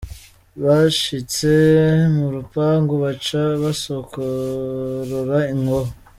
Bashitse mu rupangu, baca basokorora inkoho.